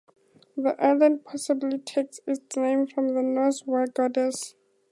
The island possibly takes its name from a Norse war goddess.